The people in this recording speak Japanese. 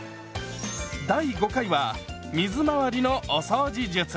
第５回は水回りのお掃除術！